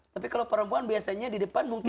tapi kalau perempuan biasanya di depan mungkin